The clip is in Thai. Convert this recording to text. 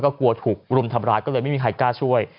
กลัวถูกรุมทำร้ายก็เลยไม่มีใครกล้าช่วย